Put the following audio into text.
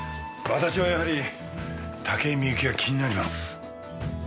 私はやはり武井美由紀が気になります。